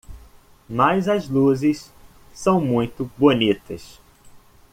Mas as luzes são muito bonitas.